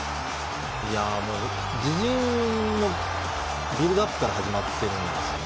自陣のビルドアップから始まってるんですよね。